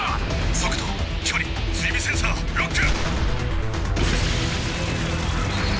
速度距離追尾センサーロック！